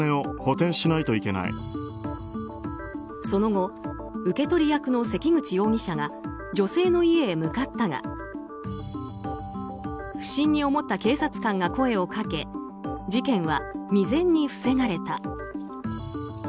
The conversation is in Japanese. その後受け取り役の関口容疑者が女性の家へ向かったが不審に思った警察官が声をかけ事件は未然に防がれた。